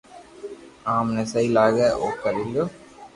آم ني جي سھي لاگي او ڪري ليو